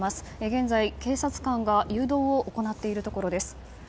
現在、警察官が誘導を行っているところです。